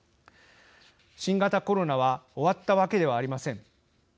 新型コロナは終わったわけではありません。